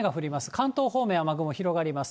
関東方面、雨雲広がります。